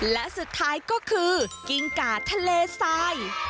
และสุดท้ายก็คือกิ้งกาทะเลทราย